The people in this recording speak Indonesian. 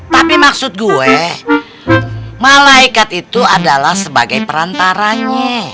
tapi maksud gue malaikat itu adalah sebagai perantaranya